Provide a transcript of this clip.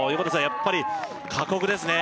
やっぱり過酷ですね